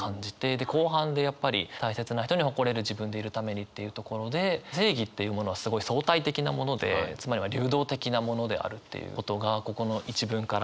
で後半でやっぱり「大切な人に、誇れる自分でいるために」っていうところで正義っていうものはすごい相対的なものでつまりは流動的なものであるっていうことがここの一文から伝わって。